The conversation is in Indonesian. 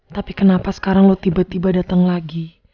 tapi kenapa sekarang lo tiba tiba datang lagi